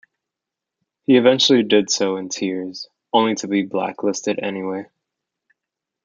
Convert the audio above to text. He eventually did so in tears, only to be blacklisted anyway.